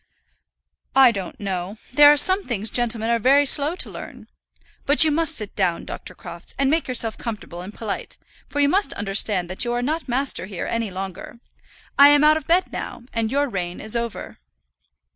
"I don't know. There are some things gentlemen are very slow to learn. But you must sit down, Dr. Crofts, and make yourself comfortable and polite; for you must understand that you are not master here any longer. I am out of bed now, and your reign is over."